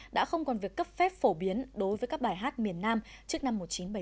đã không còn việc cấp phép phổ biến đối với các bài hát miền nam trước năm một nghìn chín trăm bảy mươi năm